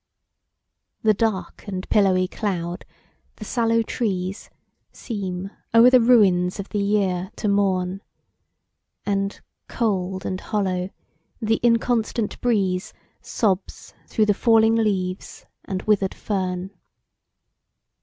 THE dark and pillowy cloud, the sallow trees, Seem o'er the ruins of the year to mourn; And, cold and hollow, the inconstant breeze Sobs through the falling leaves and wither'd fern.